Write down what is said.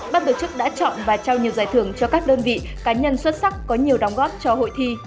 ban tổ chức đã chọn và trao nhiều giải thưởng cho các đơn vị cá nhân xuất sắc có nhiều đóng góp cho hội thi